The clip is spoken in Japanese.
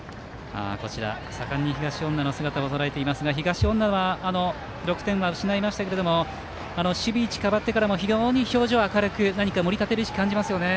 盛んに東恩納の姿をとらえていましたが東恩納は６点は失いましたけれども守備位置変わってからも非常に表情明るく盛り立てる意識を感じますね。